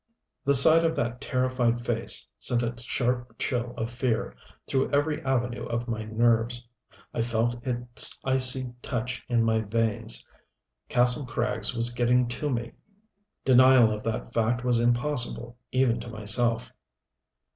The sight of that terrified face sent a sharp chill of fear through every avenue of my nerves. I felt its icy touch in my veins. Kastle Krags was getting to me denial of that fact was impossible even to myself.